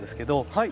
はい。